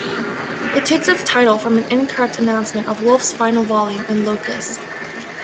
It takes its title from an incorrect announcement of Wolfe's final volume in "Locus".